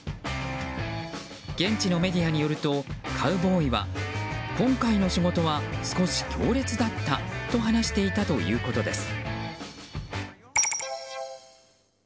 現地のメディアによるとカウボーイは今回の仕事は少し強烈だったと話していたということです。